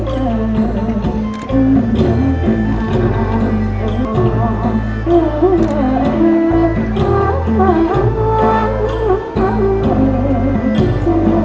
ความฝังหวังหวังว่าเวทย์เจ้าอย่างนั้น